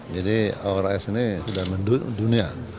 jadi our eyes ini sudah mendunia